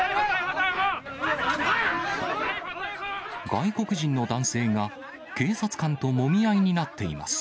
外国人の男性が、警察官ともみ合いになっています。